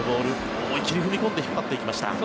思い切り踏み込んで引っ張っていきました。